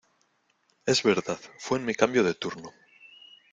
es verdad, fue en mi cambio de turno.